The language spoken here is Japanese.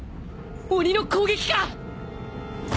鬼の攻撃か！？